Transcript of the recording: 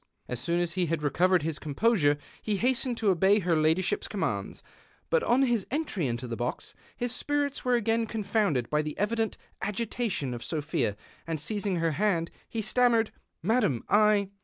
As soon as he had recovered his composure he hastened to obey her ladyships commands, but on his entry into the box his spirits were again confoimded by the evident agitation of Sophia, and, seizing her hand, he stam mered, " Madam, I